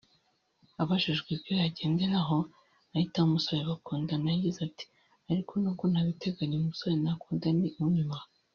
Abajijwe ibyo yagenderaho ahitamo umusore bakundana yagize ati “Ariko n’ubwo nta biteganya umusore nakunda ni unyubaha